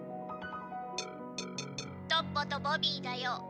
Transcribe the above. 「トッポとボビーだよ」。